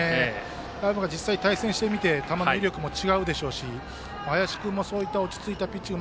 ただ実際、対戦してみて球の威力も違うでしょうし林君も落ち着いたピッチング。